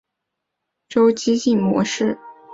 周期性是指在过程的行为中引发周期性模式。